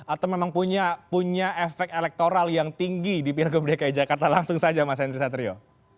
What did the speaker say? atau memang punya efek elektoral yang tinggi di pilgub dki jakarta langsung saja mas henry satrio